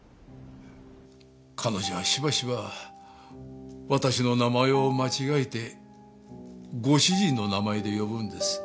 彼女はしばしば私の名前を間違えてご主人の名前で呼ぶんです。